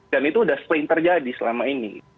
dan itu udah spring terjadi selama ini